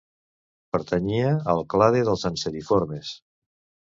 Pertanyia al clade dels anseriformes.